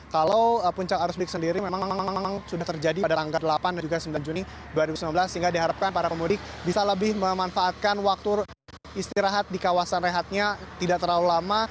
kalau puncak arus mudik sendiri memang sudah terjadi pada tanggal delapan dan juga sembilan juni dua ribu sembilan belas sehingga diharapkan para pemudik bisa lebih memanfaatkan waktu istirahat di kawasan rehatnya tidak terlalu lama